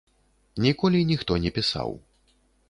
Ніколі ніхто не пісаў.